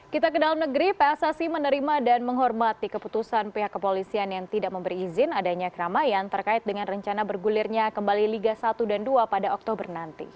kita ke dalam negeri pssi menerima dan menghormati keputusan pihak kepolisian yang tidak memberi izin adanya keramaian terkait dengan rencana bergulirnya kembali liga satu dan dua pada oktober nanti